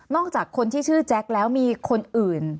จากคนที่ชื่อแจ็คแล้วมีคนอื่น